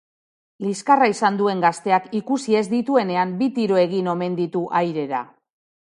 Liskarra izan duen gazteak ikusi ez dituenean bi tiro egin omen ditu airera.